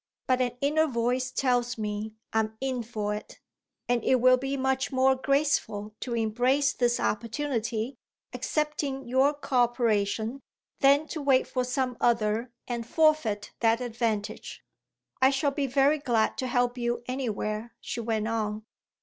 But an inner voice tells me I'm in for it. And it will be much more graceful to embrace this opportunity, accepting your co operation, than to wait for some other and forfeit that advantage." "I shall be very glad to help you anywhere," she went on.